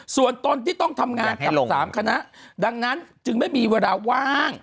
ส่วนตนที่ต้องทำงานกับ๓คณะดังนั้นจึงไม่มีเวลาว่าง